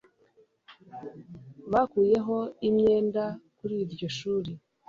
Bakuyeho imyenda kuri iryo shuri